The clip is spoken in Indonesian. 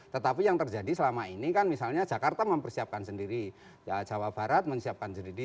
tetapi yang terjadi selama ini kan misalnya jakarta mempersiapkan sendiri jawa barat menyiapkan sendiri